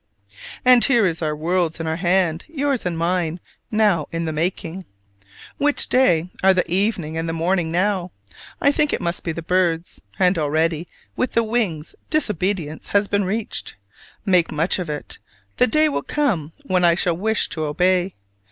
And here is our world in our hands, yours and mine, now in the making. Which day are the evening and the morning now? I think it must be the birds' and already, with the wings, disobedience has been reached! Make much of it! the day will come when I shall wish to obey.